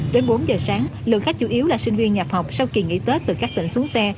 đến bốn giờ sáng lượng khách chủ yếu là sinh viên nhập học sau kỳ nghỉ tết từ các tỉnh xuống xe